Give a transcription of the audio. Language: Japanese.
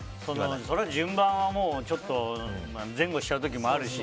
それは順番はもう前後しちゃう時もあるし。